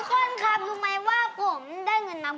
คนครับรู้ไหมว่าผมได้เงินนำ